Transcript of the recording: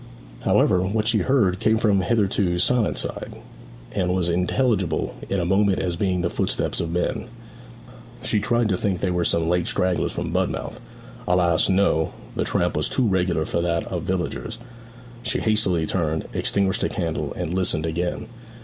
However, what she heard came from the hitherto silent side, and was intelligible in a moment as being the footsteps of men. She tried to think they were some late stragglers from Budmouth. Alas! no; the tramp was too regular for that of villagers. She hastily turned, extinguished the candle, and listened again.